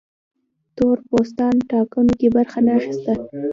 تور پوستان ټاکنو کې برخه نه اخیسته.